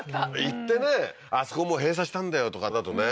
行ってねあそこもう閉鎖したんだよとかだとね